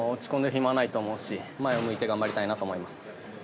暇はないと思いますし前を向いて頑張りたいなと思います。